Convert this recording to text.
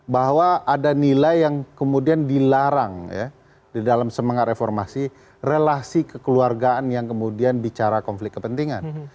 bahwa ada nilai yang kemudian dilarang ya di dalam semangat reformasi relasi kekeluargaan yang kemudian bicara konflik kepentingan